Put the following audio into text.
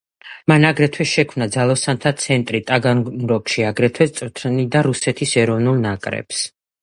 მან აგრეთვე შექმნა ძალოსანთა ცენტრი ტაგანროგში; აგრეთვე წვრთნიდა რუსეთის ეროვნულ ნაკრებს.